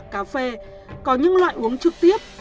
cà phê có những loại uống trực tiếp